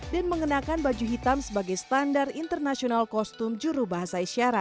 dan mengenakan baju hitam sebagai standar internasional kostum juru bahasa isyarat